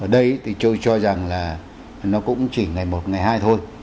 ở đây thì tôi cho rằng là nó cũng chỉ ngày một ngày hai thôi